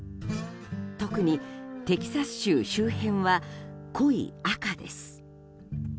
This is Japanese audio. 特に、テキサス州周辺は濃い赤です。